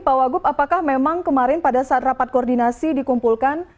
pak wagub apakah memang kemarin pada saat rapat koordinasi dikumpulkan